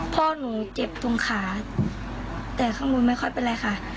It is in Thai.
พ่อหนูเจ็บตรงขาแต่ข้างบนไม่ค่อยเป็นไรค่ะ